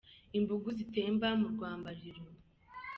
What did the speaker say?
Imbugu zitemba mu rwambariro.